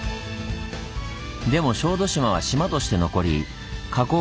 でも小豆島は島として残り花